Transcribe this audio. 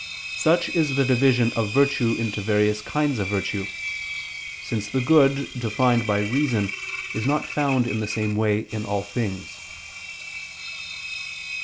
Such is the division of virtue into various kinds of virtue: since the good defined by reason is not found in the same way in all things.